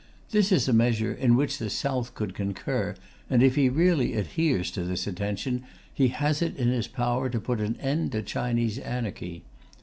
This is a measure in which the South could concur, and if he really adheres to this intention he has it in his power to put an end to Chinese anarchy.